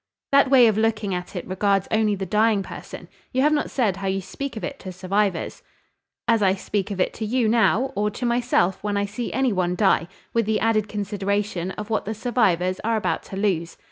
"That way of looking at it regards only the dying person; you have not said how you speak of it to survivors." "As I speak of it to you now, or to myself when I see any one die; with the added consideration of what the survivors are about to lose.